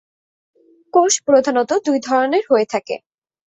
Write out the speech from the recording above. কোষ প্রধানত দুই ধরনের হয়ে থাকে।